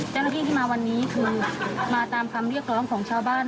แต่วันนี้ถึงมาตามคำเรียกร้องของชาวบ้าน